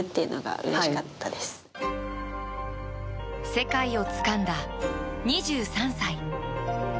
世界をつかんだ２３歳。